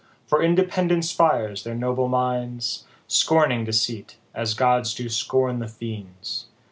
For independence fires their noble minds, Scorning deceit, as gods do scorn the fiends.